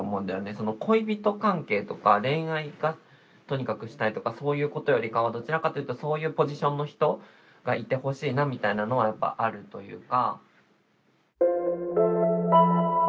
その恋人関係とか恋愛がとにかくしたいとかそういうことよりかはどちらかというとそういうポジションの人がいてほしいなみたいなのはやっぱあるというか。